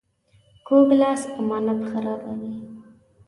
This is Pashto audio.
کوږ لاس امانت خرابوي